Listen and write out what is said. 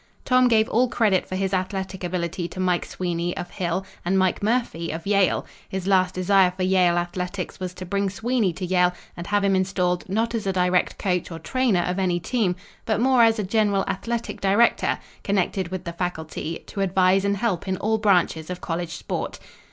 Tom gave all credit for his athletic ability to Mike Sweeney of Hill and Mike Murphy of Yale. His last desire for Yale athletics was to bring Sweeney to Yale and have him installed, not as a direct coach or trainer of any team, but more as a general athletic director, connected with the faculty, to advise and help in all branches of college sport.